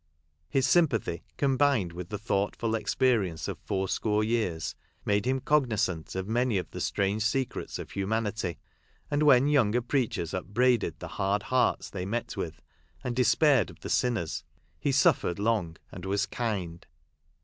His sympathy, combined with the thoughtful experience of fourscore years, made him cognisant of many of the strange secrets of humanity ; and when younger preachers upbraided the hard hearts they met with, and despaired of the sinners, he "suffered long, and was kind."